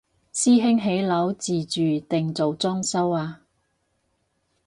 師兄起樓自住定做裝修啊？